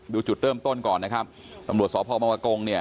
ดูจุดเติมต้นก่อนนะครับตำรวจสอบภาวบางประกงเนี่ย